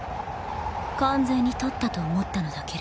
完全に取ったと思ったのだけれど。